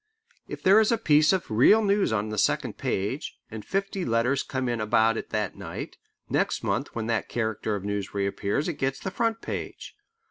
If there is a piece of real news on the second page, and fifty letters come in about it that night, next month when that character of news reappears it gets the front page.